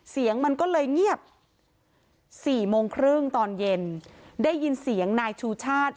เสียงมันก็เลยเงียบสี่โมงครึ่งตอนเย็นได้ยินเสียงนายชูชาติ